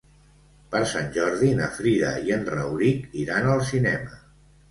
Per Sant Jordi na Frida i en Rauric iran al cinema.